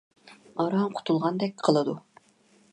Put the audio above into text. ئاران قۇتۇلغاندەك قىلىدۇ.